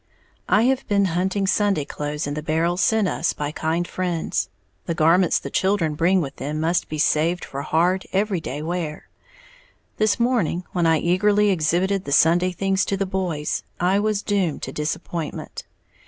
_ I have been hunting Sunday clothes in the barrels sent us by kind friends, the garments the children bring with them must be saved for hard, every day wear. This morning, when I eagerly exhibited the Sunday things to the boys, I was doomed to disappointment.